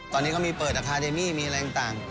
ตอนนี้เขามีเปิดอคาเดมี่มีอะไรต่าง